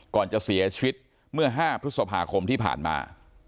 ก่อนจะเสียชีวิตเมื่อ๕พฤษภาคมที่ผ่านมา